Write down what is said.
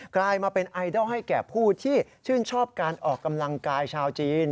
กลายมาเป็นไอดอลให้แก่ผู้ที่ชื่นชอบการออกกำลังกายชาวจีน